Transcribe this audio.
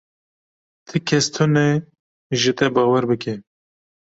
Ti kes tune ji te bawer bike.